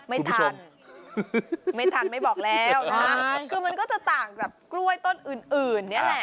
ไม่ทันไม่ทันไม่บอกแล้วนะฮะคือมันก็จะต่างจากกล้วยต้นอื่นอื่นนี่แหละ